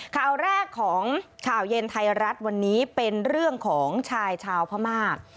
ข่าวแรกของข่าวเย็นไทยรัฐวันนี้เป็นเรื่องของชายชาวพม่า